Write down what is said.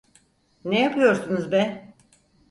Ne yapıyorsunuz be!